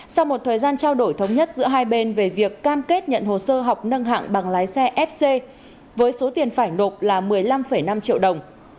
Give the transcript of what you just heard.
sau một thời gian trao đổi thống nhất giữa hai bên về việc cam kết nhận hồ sơ học nâng hạng bằng lái xe fc với số tiền phải nộp là một mươi năm năm triệu đồng